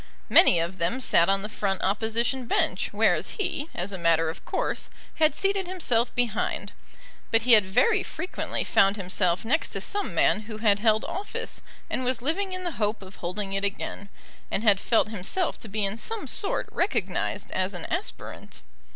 Many of them sat on the front Opposition bench, whereas he, as a matter of course, had seated himself behind. But he had very frequently found himself next to some man who had held office and was living in the hope of holding it again, and had felt himself to be in some sort recognised as an aspirant.